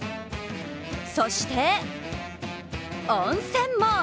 そして温泉も。